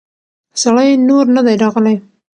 سړی نور نه دی راغلی.